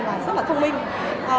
và rất là thông minh